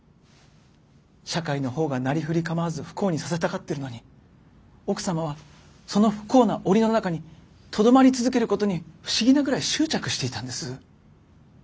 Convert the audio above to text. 社会の方がなりふり構わず不幸にさせたがってるのに奥様はその不幸な檻の中にとどまり続けることに不思議なぐらい執着していたんです。